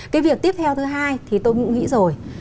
cái việc tiếp theo thứ hai thì tôi cũng nghĩ rồi